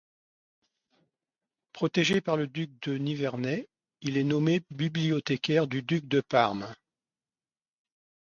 Protégé par le duc de Nivernais, il est nommé bibliothécaire du duc de Parme.